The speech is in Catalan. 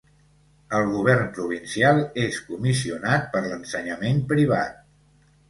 Al govern provincial és comissionat per l'ensenyament privat.